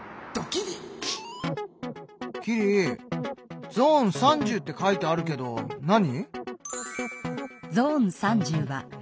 キリ「ゾーン３０」って書いてあるけど何？